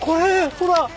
ほら。